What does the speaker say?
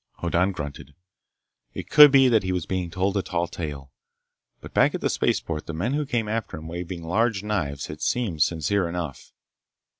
Hoddan grunted. It could be that he was being told a tall tale. But back at the spaceport, the men who came after him waving large knives had seemed sincere enough.